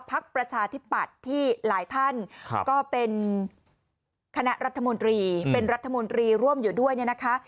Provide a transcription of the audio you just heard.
พักประชาธิปัตย์ที่หลายท่านก็เป็นคณะรัฐมนตรีเป็นรัฐมนตรีร่วมอยู่ด้วยเนี่ยนะคะ